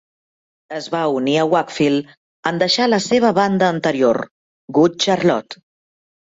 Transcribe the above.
Es va unir a Wakefiled en deixar la seva banda anterior, Good Charlotte.